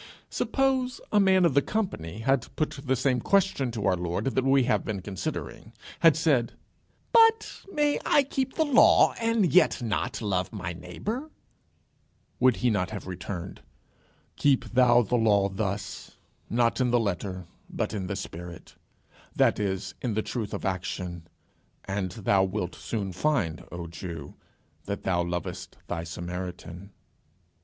Suppose a man of the company had put the same question to our Lord that we have been considering, had said, "But I may keep the law and yet not love my neighbour," would he not have returned: "Keep thou the law thus, not in the letter, but in the spirit, that is, in the truth of action, and thou wilt soon find, O Jew, that thou lovest thy Samaritan"?